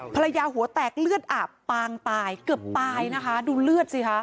หัวแตกเลือดอาบปางตายเกือบตายนะคะดูเลือดสิคะ